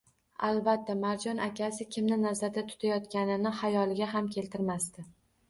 Albatta, Marjon akasi kimni nazarda tutayotganini xayoliga ham keltirmasdi